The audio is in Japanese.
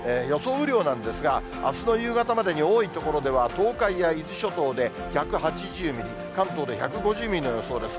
雨量なんですが、あすの夕方までに多い所では東海や伊豆諸島で１８０ミリ、関東で１５０ミリの予想です。